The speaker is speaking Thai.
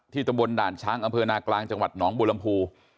ที่ตะบนด่านช้างอำเภอหน้ากลางจังหวัดหนองบุรมภู